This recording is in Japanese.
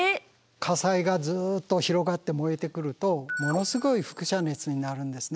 火災がずっと広がって燃えてくるとものすごい輻射熱になるんですね。